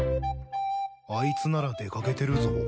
あいつなら出掛けてるぞ。